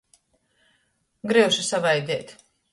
Gryuši savaidēt.